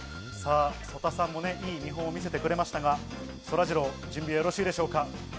曽田さんもいい見本を見せてくれましたが、そらジロー、準備はよろしいでしょうか？